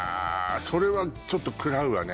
それはちょっと食らうわね